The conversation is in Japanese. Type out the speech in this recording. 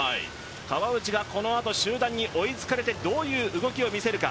川内がこのあと集団に追いつかれてどういう動きを見せるか。